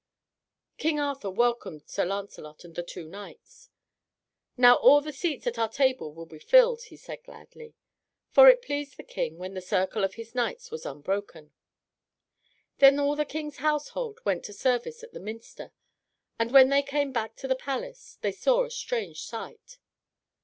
King Arthur welcomed Sir Lancelot and the two knights. "Now all the seats at our table will be filled," he said gladly. For it pleased the King when the circle of his knights was unbroken. Then all the King's household went to service at the minster, and when they came back to the palace they saw a strange sight.